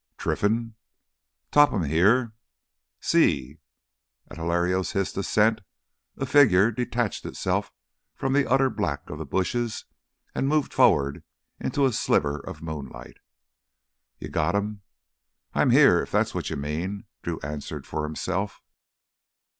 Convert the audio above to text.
"Trinfan?" Topham! Here? "Sí." At Hilario's hissed assent, a figure detached itself from the utter black of the bushes and moved forward into a sliver of moonlight. "You got him?" "I'm here, if that's what you mean!" Drew answered for himself.